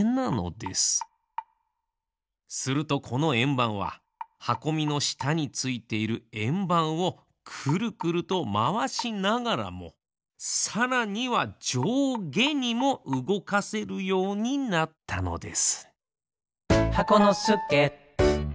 するとこのえんばんははこみのしたについているえんばんをくるくるとまわしながらもさらにはじょうげにもうごかせるようになったのです。